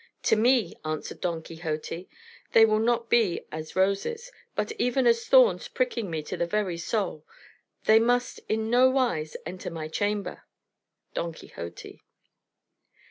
"To me," answered Don Quixote, "they will not be as roses, but even as thorns pricking me to the very soul; they must in nowise enter my chamber." _Don Quixote.